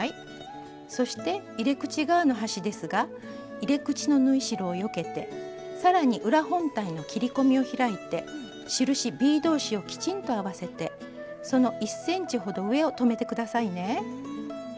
そして入れ口側の端ですが入れ口の縫い代をよけてさらに裏本体の切り込みを開いて印ｂ同士をきちんと合わせてその１ｃｍほど上を留めて下さいね。